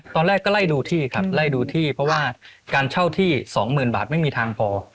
ตอนแรกก็ไล่ดูที่ครับไล่ดูที่เพราะว่าการเช่าที่๒๐๐๐บาทไม่มีทางพอ